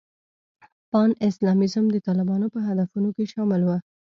پان اسلامیزم د طالبانو په هدفونو کې شامل و.